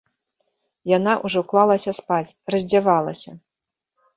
Яна ўжо клалася спаць, раздзявалася.